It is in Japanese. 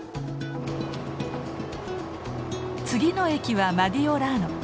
次の駅はマディオラーノ。